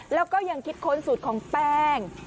แล้วก็ยังคิดค้นสูตรของแป้ง